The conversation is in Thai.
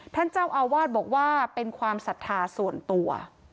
ท่านเจ้าอาวาสบอกว่าเป็นความศรัทธาส่วนตัว